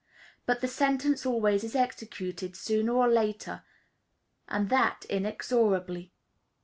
But the sentence always is executed, sooner or later, and that inexorably.